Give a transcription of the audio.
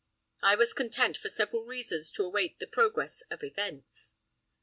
I was content for several reasons to await the progress of events.